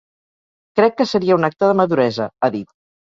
Crec que seria un acte de maduresa, ha dit.